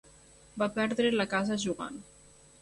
Va perdre la casa jugant.